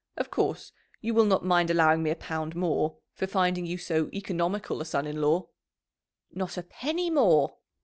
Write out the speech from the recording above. Of course, you will not mind allowing me a pound more for finding you so economical a son in law?" "Not a penny more."